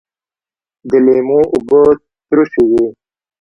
د لیمو اوبه ترشی وي